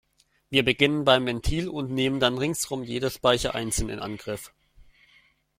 Wir beginnen beim Ventil und nehmen dann ringsum jede Speiche einzeln in Angriff.